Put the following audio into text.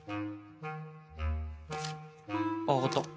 あぁ上がった。